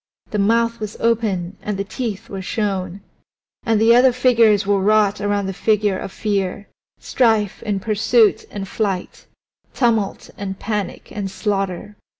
The mouth was open and the teeth were shown. And other figures were wrought around the figure of Fear Strife and Pursuit and Flight; Tumult and Panic and Slaughter.